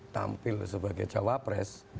tampil sebagai jawab pres